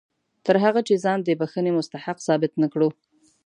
تر هغه چې ځان د بښنې مستحق ثابت نه کړو.